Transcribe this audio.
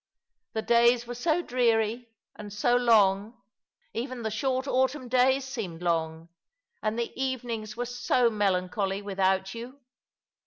The days were so dreary and so long — even the short autumn days seemed long — and the evenings were so melancholy without you.